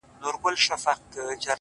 له شپږو مياشتو څه درد ‘درد يمه زه’